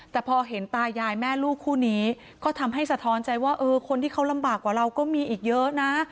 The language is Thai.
แต่พอเห็นตายายแม่ลูกคู่นี้ก็ทำให้สะท้อนใจว่าเออคนที่เขาลำบากกว่าเราก็มีอีกเยอะนะ